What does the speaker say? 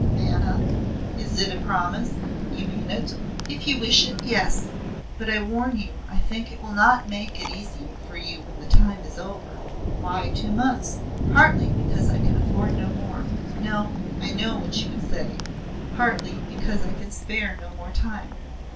"Vanna, is it a promise? You mean it?" "If you wish it, yes. But I warn you I think it will not make it easier for you when the time is over. "Why two months?" "Partly because I can afford no more. No! I know what you would say. Partly because I can spare no more time.